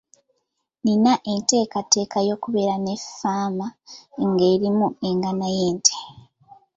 Nina enteekateeka y'okubeera ne ffaama ng'erimu eggana ly'ente.